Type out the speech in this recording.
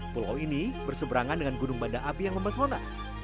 pulau ini berseberangan dengan gunung banda api yang memesona